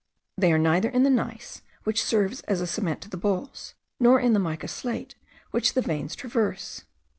They are neither in the gneiss, which serves as a cement to the balls, nor in the mica slate, which the veins traverse.